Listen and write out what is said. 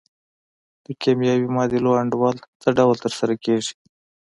د کیمیاوي معادلو انډول څه ډول تر سره کیږي؟